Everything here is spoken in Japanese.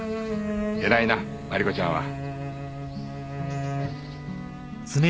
偉いな真梨子ちゃんは。